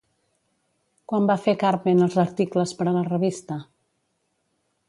Quan va fer Carmen els articles per a la revista?